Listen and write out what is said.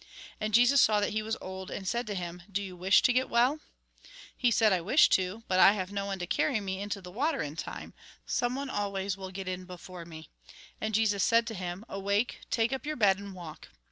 And Jesus saw that he was old, and said to him :" Do you wish to get well ?" He said :" I wish to, but I have no one to carry me into the water in time. Someone always will get in before me." And Jesus said to him :" Awake, take up your bed and walk."